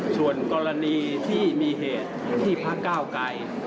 ส่วนกรณีที่มีเหตุที่พระเก้าไกร